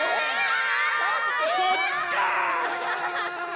そっちか！